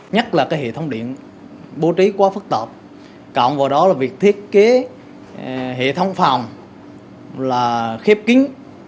nhất là cái hệ thống điện bố trí quá phức tạp cộng vào đó là việc thiết kế hệ thống phòng là khép kín